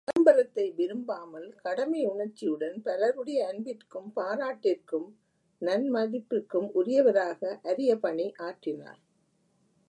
அவர் விளம்பரத்தை விரும்பாமல் கடமையுணர்ச்சியுடன் பலருடைய அன்பிற்கும் பாராட்டிற்கும் நன்மதிப்பிற்கும் உரியவராக அரிய பணி ஆற்றினார்.